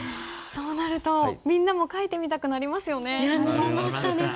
そうなるとみんなも書いてみたくなりますよね。